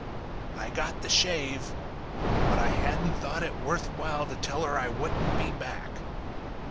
I got the shave. But I hadn't thought it worth while to tell her I wouldn't be back.